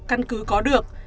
căn cứ có được